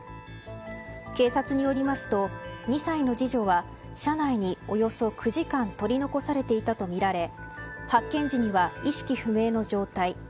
警察によりますと２歳の次女は車内におよそ９時間取り残されていたとみられ発見時には意識不明の状態。